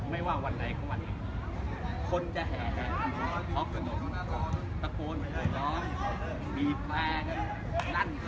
ไม่ว่าวันไหนก็วันไหนคนจะแหลกออกกระโนมน์ประโกนไหลร้อยบีแฟร์กัน